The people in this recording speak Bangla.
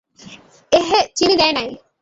এহহে চিনি দেয়নাই।